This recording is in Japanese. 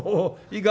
いいか？